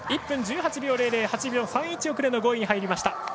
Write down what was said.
１分１８秒００８秒３１遅れの５位に入りました。